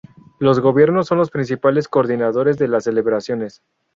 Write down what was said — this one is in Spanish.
Los gobiernos son los principales coordinadores de las celebraciones.